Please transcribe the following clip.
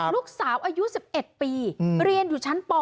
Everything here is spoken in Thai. ลูกสาวอายุ๑๑ปีเรียนอยู่ชั้นป